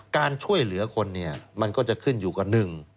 การช่วยเหลือคนเนี่ยมันก็จะขึ้นอยู่กับหนึ่ง